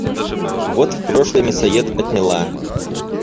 Вот в прошлый мясоед отняла.